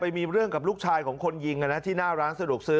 มีเรื่องกับลูกชายของคนยิงที่หน้าร้านสะดวกซื้อ